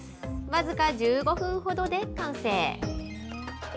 僅か１５分ほどで完成。